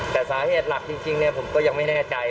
แต่สาเหตุหลักจริงผมก็ยังไม่แน่ใจ